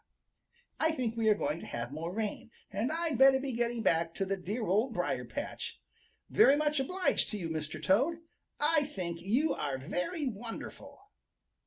"I think we are going to have more rain, and I'd better be getting back to the dear Old Briarpatch. Very much obliged to you, Mr. Toad. I think you are very wonderful."